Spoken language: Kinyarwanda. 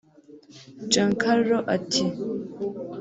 Giancarlo ati